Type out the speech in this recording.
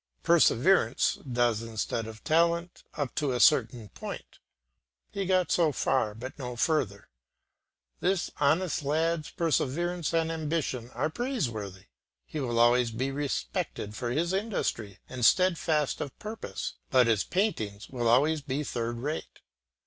Perseverance does instead of talent up to a certain point; he got so far, but no further. This honest lad's perseverance and ambition are praiseworthy; he will always be respected for his industry and steadfastness of purpose, but his paintings will always be third rate.